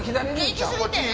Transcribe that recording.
行きすぎてへん？